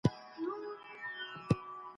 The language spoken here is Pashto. پرته له مطالعې ټولنه نه سي کولای پرمختګ وکړي.